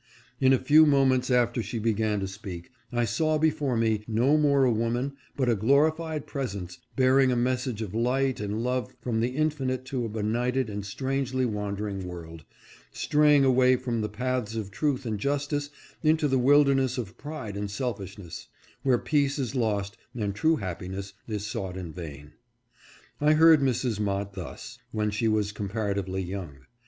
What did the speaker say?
In a few moments after she began to speak, I saw before me no more a woman, but a glorified presence, bearing a mes sage of light and love from the Infinite to a benighted and strangely wandering world, straying away from the paths of truth and justice into the wilderness of pride and selfishness, where peace is lost and true happiness is sought in vain. I heard Mrs. Mott thus, when she was comparatively young.